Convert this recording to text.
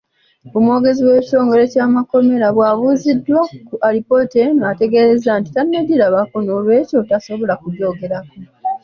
Omwogezi w'ekitongole ky'amakomera, bw'abuuziddwa ku alipoota eno, ategeezezza nti tannagirabako noolwekyo tasobola kujoogerako.